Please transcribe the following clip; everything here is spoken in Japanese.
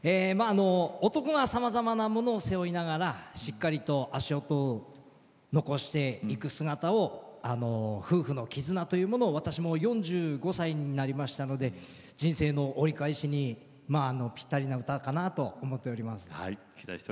男がさまざまなものを背負いながら、しっかりと足跡を残していく姿を夫婦の絆というものを私も４５歳になりましたので人生の折り返しにぴったりな歌かなと思っております。